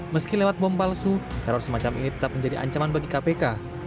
meski lewat bom palsu teror semacam ini tetap menjadi ancaman bagi kpk